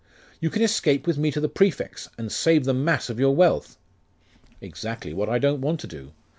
'You can escape with me to the prefect's, and save the mass of your wealth.' 'Exactly what I don't want to do.